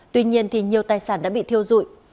tuy nhiên nhiều tài sản đã bị thiêu dụi